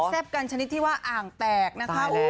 แทร่บกันชนิดว่าอ่างแตกนะคะ